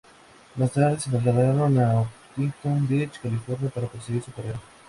Más tarde se trasladaron a Huntington Beach, California para perseguir su carrera.